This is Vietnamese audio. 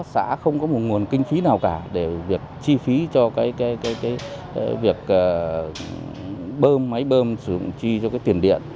xã không có một nguồn kinh phí nào cả để việc chi phí cho cái việc bơm máy bơm sử dụng chi cho cái tiền điện